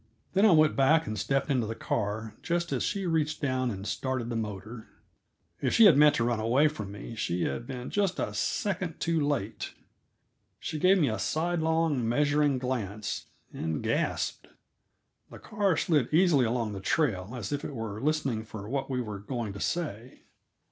Then I went back and stepped into the car just as she reached down and started the motor. If she had meant to run away from me she had been just a second too late. She gave me a sidelong, measuring glance, and gasped. The car slid easily along the trail as if it were listening for what we were going to say.